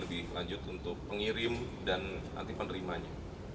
lebih lanjut untuk pengirim dan nanti penerimanya